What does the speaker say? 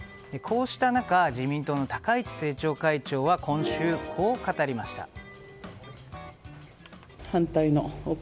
こうした中自民党の高市政調会長は今週、こう語りました。